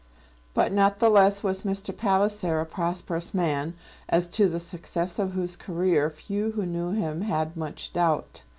But not the less was Mr. Palliser a prosperous man, as to the success of whose career few who knew him had much doubt.